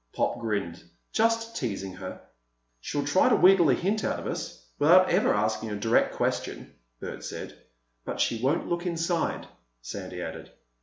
Pop grinned. "Just teasing her." "She'll try to wheedle a hint out of us—without ever asking a direct question," Bert said. "But she won't look inside," Sandy added.